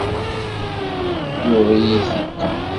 Yuɣ-iyi-t-id.